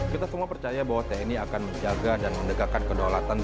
kita semua percaya bahwa tni akan menjaga dan mendekatkan kedaulatan